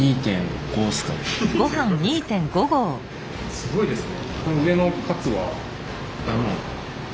すごいですね。